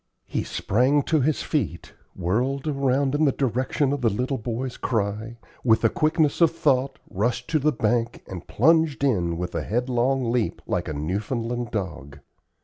He sprang to his feet, whirled around in the direction of the little boy's cry, with the quickness of thought rushed to the bank and plunged in with a headlong leap like a Newfoundland dog.